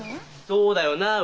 そうだよなあ？